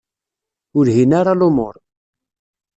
Ur lhin ara lumuṛ.